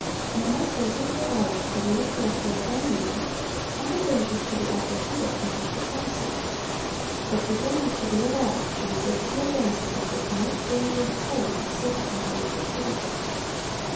Men are closing their eyes to the real character of Romanism, and the dangers to be apprehended from her supremacy. The people need to be aroused to resist the advances of this most dangerous foe to civil and religious liberty.